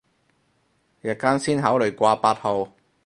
日間先考慮掛八號